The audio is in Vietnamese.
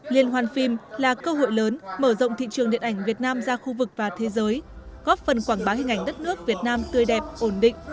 liên hoan phim là cơ hội lớn mở rộng thị trường điện ảnh việt nam ra khu vực và thế giới góp phần quảng bá hình ảnh đất nước việt nam tươi đẹp ổn định